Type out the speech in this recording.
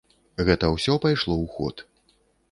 Гэта ўсё пайшло ў ход.